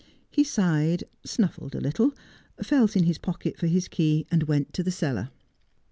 He sighed, snuffled a little, felt in his pocket for his key, and went to the cellar.